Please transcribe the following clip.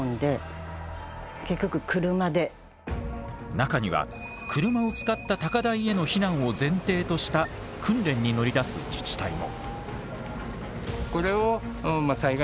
中には車を使った高台への避難を前提とした訓練に乗り出す自治体も。